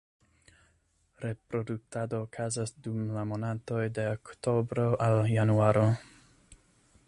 Reproduktado okazas dum la monatoj de oktobro al januaro.